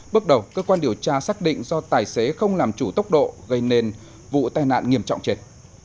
bước đầu cơ quan điều tra xác định do tài xế không làm chủ tốc độ gây nên vụ tai nạn nghiêm trọng chết